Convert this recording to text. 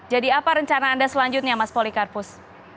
jadi apa rencana anda selanjutnya mas polikarpus